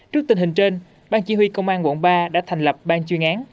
trước tình hình trên bang chỉ huy công an quận ba đã thành lập bang chuyên án